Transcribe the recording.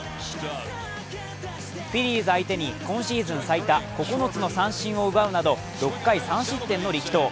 フィリーズ相手に今シーズン最多９つの三振を奪うなど６回３失点の力投。